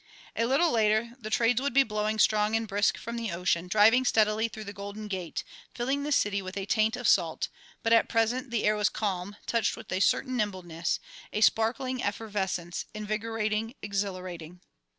A little later the trades would be blowing strong and brisk from the ocean, driving steadily through the Golden Gate, filling the city with a taint of salt; but at present the air was calm, touched with a certain nimbleness, a sparkling effervescence, invigourating, exhilarating.